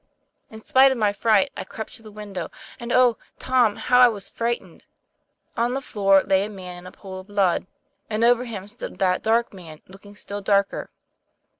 In spite of my fright, I crept up to the win dow, and, oh, Tom, how I was frightened! On the floor lay a man in a pool of blood, and over him stood that dark man, looking still darker.